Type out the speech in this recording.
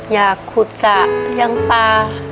อยากขุดกะเลี้ยงปลา